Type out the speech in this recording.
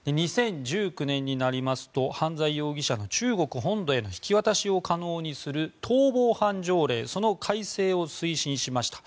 ２０１９年になりますと犯罪容疑者の中国本土への引き渡しを可能にする逃亡犯条例その改正を推進しました。